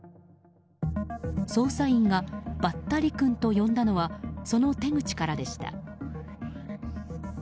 捜査員が、ばったりくんと呼んだのはその手口からでした。